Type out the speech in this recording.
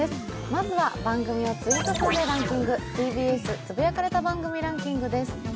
まずは番組をツイート数でランキング、番組つぶやかれたランキングです。